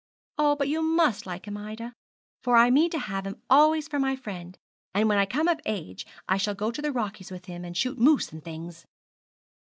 'Oh, but you must like him, Ida, for I mean to have him always for my friend; and when I come of age I shall go to the Rockies with him, and shoot moose and things.'